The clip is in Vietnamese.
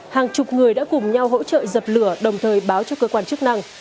hàng chục người đã cùng nhau hỗ trợ dập lửa đồng thời báo cho cơ quan chức năng